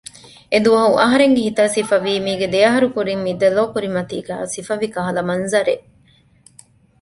އެދުވަހު އަހަރެންގެ ހިތަށް ސިފަވީ މީގެ ދެ އަހަރު ކުރިން މި ދެލޯ ކުރިމަތީގައި ސިފަވި ކަހަލަ މަންޒަރެއް